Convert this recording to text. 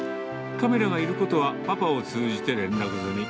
カメラがいることは、パパを通じて連絡済み。